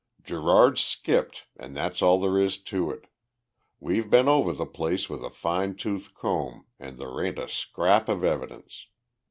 "Gerard's skipped and that's all there is to it. We've been over the place with a fine tooth comb and there ain't a scrap of evidence.